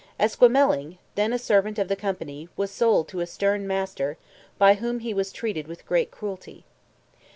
Esquemeling then a servant of the company was sold to a stern master by whom he was treated with great cruelty.